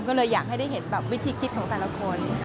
ก็เลยอยากให้ได้เห็นแบบวิธีคิดของแต่ละคน